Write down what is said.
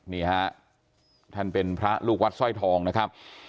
นี่ฮะท่านเป็นพระลูกวัดสร้อยทองนะครับ